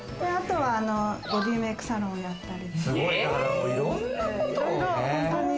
あとはボディメイクサロンやったりとか。